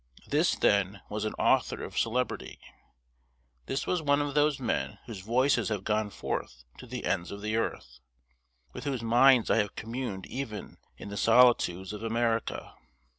This, then, was an author of celebrity; this was one of those men whose voices have gone forth to the ends of the earth; with whose minds I have communed even in the solitudes of America.